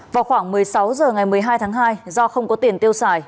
vào khoảng một mươi sáu h ngày một mươi hai tháng hai do không có tiền tiêu xài